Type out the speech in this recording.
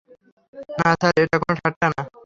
না, স্যার, এটা কোন ঠাট্টা না।